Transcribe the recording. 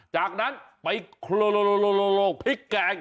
จะหากนั้นไปเคอร่พลิกแกง